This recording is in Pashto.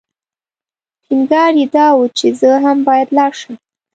ټینګار یې دا و چې زه هم باید لاړ شم.